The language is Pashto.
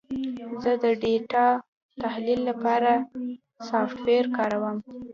زه د ډیټا تحلیل لپاره سافټویر کاروم.